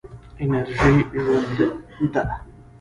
انرژي ژوند ده.